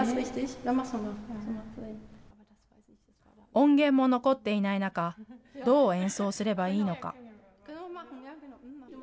音源も残っていない中、どう演奏すればいいのか。